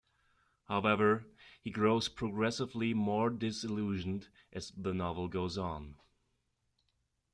However, he grows progressively more disillusioned as the novel goes on.